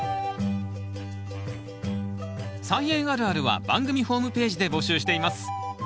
「菜園あるある」は番組ホームページで募集しています。